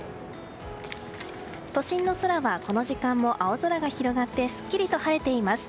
都心の空はこの時間も青空が広がってすっきりと晴れています。